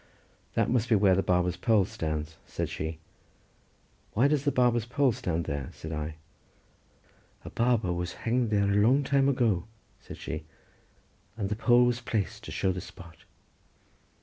"That must be where the barber's pole stands," said she. "Why does the barber's pole stand there?" said I. "A barber was hanged there a long time ago," said she, "and the pole was placed to show the spot."